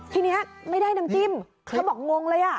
ทีนี้ไม่ได้น้ำจิ้มเธอบอกงงเลย